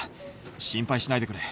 心配しないでくれ。